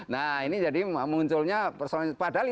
nah ini jadi munculnya